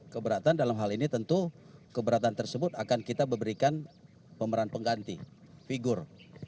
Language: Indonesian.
keberatan dalam hal ini tentu keberatan tersebut akan kita berikan pemeran pengganti figur